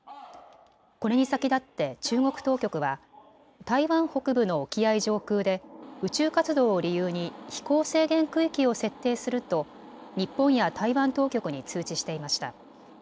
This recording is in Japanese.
これに先立って中国当局は台湾北部の沖合上空で宇宙活動を理由に飛行制限区域を設定すると日本や台湾当局に通知していました。